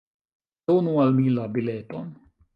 Donu al mi la bileton.